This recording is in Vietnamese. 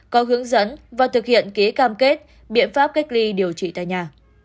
có hướng dẫn và thực hiện ký cam kết biện pháp cách ly điều trị tại nhà